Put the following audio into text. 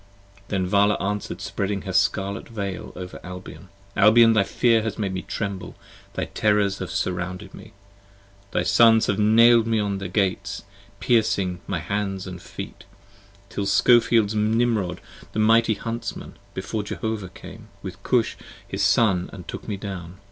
50 Then Vala answer'd spreading her scarlet Veil over Albion. p. 22 ALBION thy fear has made me tremble; thy terrors have surrounded me: Thy Sons have nail'd me on the Gates, piercing my hands & feet: Till Scofield's Nimrod the mighty Huntsman [before] Jehovah came, With Cush his Son & took me down.